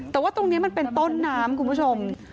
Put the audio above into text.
แต่ว่าตรงนี้มันเป็นต้นน้ำคุณผู้ชม